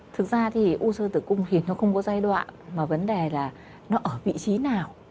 thực ra thì u sơ tử cung khiến nó không có giai đoạn mà vấn đề là nó ở vị trí nào